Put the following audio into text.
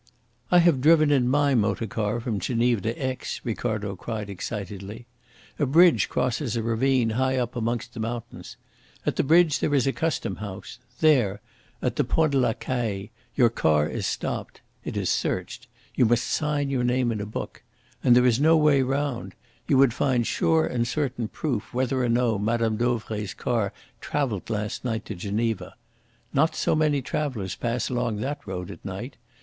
"I have driven in my motor car from Geneva to Aix," Ricardo cried excitedly. "A bridge crosses a ravine high up amongst the mountains. At the bridge there is a Custom House. There at the Pont de la Caille your car is stopped. It is searched. You must sign your name in a book. And there is no way round. You would find sure and certain proof whether or no Madame Dauvray's car travelled last night to Geneva. Not so many travellers pass along that road at night.